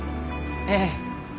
ええ。